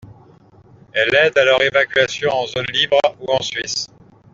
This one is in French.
Elle aide à leur évacuation en zone libre ou en Suisse.